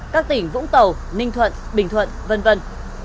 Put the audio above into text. các tỉnh vũng tàu ninh thuận bình thuận